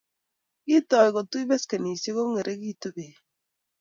Kotoi kotui beskenisiek kongeringitu bek